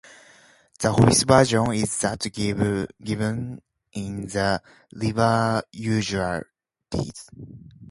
The official version is that given in the "Liber Usualis".